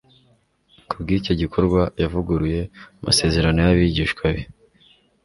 Kubw'icyo gikorwa yavuguruye amasezerano y'abigishwa be.